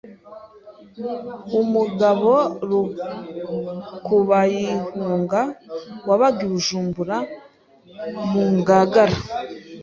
Umugabo rukubayihunga wabaga i Bujumbura mu Ngagara,